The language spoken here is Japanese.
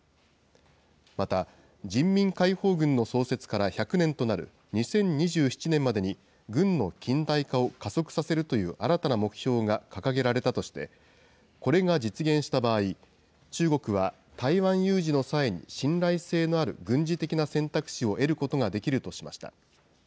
また、人民解放軍の創設から１００年となる２０２７年までに、軍の近代化を加速させるという新たな目標が掲げられたとして、これが実現した場合、中国は台湾有事の際に信頼性のある軍事的な選択肢を得ることができるとしました。